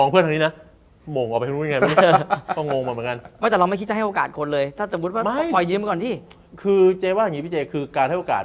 อันนี้พูดตรงนะนักเตะแบบนี้ไม่เหมาะกับทีมที่จะเป็นเลิศ